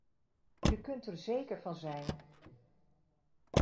U kunt er zeker van zijn!